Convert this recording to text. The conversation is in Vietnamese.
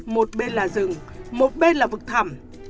một bên là rừng một bên là vực thẳm